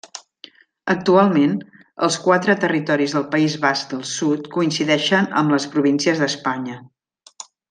Actualment, els quatre territoris del País Basc del Sud coincideixen amb les províncies d'Espanya.